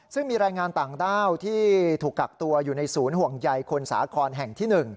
ซึ่งมีแรงงานต่างด้าวที่ถูกกักตัวอยู่ในศูนย์ห่วงใยคนสาครแห่งที่๑